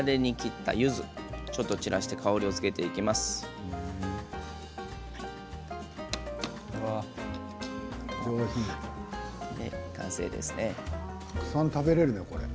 たくさん食べられるね。